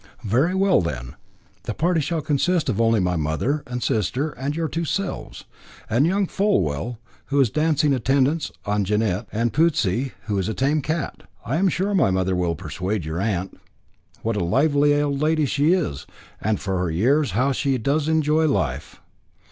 "Very well, then; the party shall consist only of my mother and sister and your two selves, and young Fulwell, who is dancing attendance on Jannet, and Putsey, who is a tame cat. I am sure my mother will persuade your aunt. What a lively old lady she is, and for her years how she does enjoy life!"